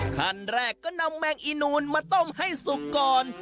ขั้นแรกก็นำแมงอีนูนมาต้มให้สุกก่อน